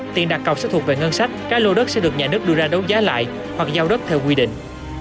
tiền đặt cọc sẽ thuộc về ngân sách các lô đất sẽ được nhà nước đưa ra đấu giá lại hoặc giao đất theo quy định